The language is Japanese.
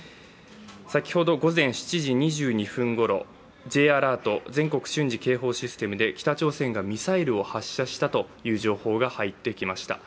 先ほど午前７時２２分ごろＪアラートで北朝鮮がミサイルを発射したという情報が入ってきました。